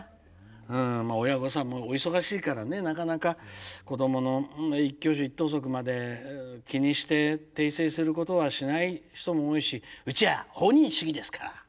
まあ親御さんもお忙しいからねなかなか子どもの一挙手一投足まで気にして訂正することはしない人も多いし「うちは放任主義ですから」。